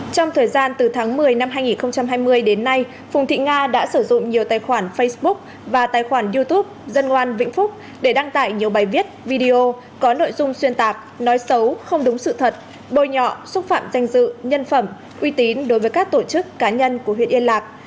trong thời gian từ tháng một mươi năm hai nghìn hai mươi đến nay phùng thị nga đã sử dụng nhiều tài khoản facebook và tài khoản youtube dân oan vĩnh phúc để đăng tải nhiều bài viết video có nội dung xuyên tạc nói xấu không đúng sự thật bôi nhọ xúc phạm danh dự nhân phẩm uy tín đối với các tổ chức cá nhân của huyện yên lạc